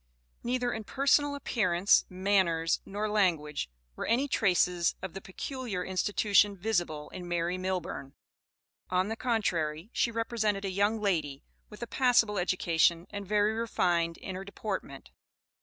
Neither in personal appearance, manners, nor language, were any traces of the Peculiar Institution visible in Mary Millburn. On the contrary, she represented a young lady, with a passable education, and very refined in her deportment.